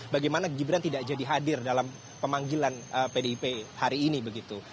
bagaimana gibran tidak jadi hadir dalam pemanggilan pdip hari ini begitu